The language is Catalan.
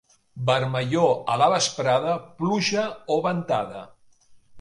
Vermellor a la vesprada, pluja o ventada.